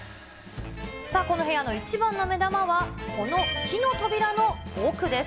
さあ、この部屋の一番の目玉はこの木の扉の奥です。